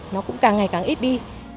nó cũng càng ngày càng ít đi